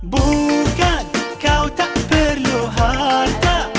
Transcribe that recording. bukan kau tak perlu harta